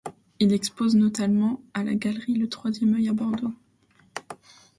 Elle expose notamment à la galerie Le troisième œil à Bordeaux.